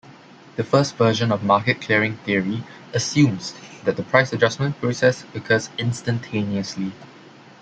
The first version of market-clearing theory assumes that the price adjustment process occurs instantaneously.